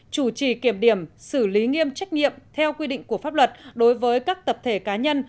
chủ trì kiểm điểm xử lý nghiêm trách nhiệm theo quy định của pháp luật đối với các tập thể cá nhân